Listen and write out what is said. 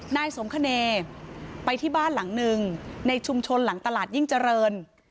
นายสมคเนย์ไปที่บ้านหลังหนึ่งในชุมชนหลังตลาดยิ่งเจริญ